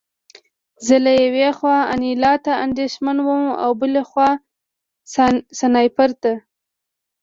زه له یوې خوا انیلا ته اندېښمن وم او بل خوا سنایپر ته